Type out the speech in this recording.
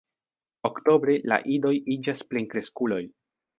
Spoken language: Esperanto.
Oktobre la idoj iĝas plenkreskuloj.